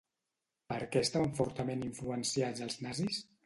Per què estaven fortament influenciats els nazis?